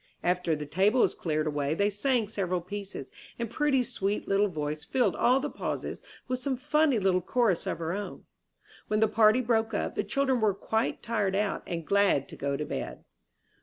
After the table was cleared away they sang several pieces, and Prudy's sweet little voice filled all the pauses with some funny little chorus of her own. When the party broke up, the children were quite tired out, and glad to go to bed.